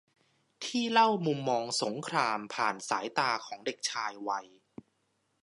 ที่เล่ามุมมองสงครามผ่านสายตาของเด็กชายวัย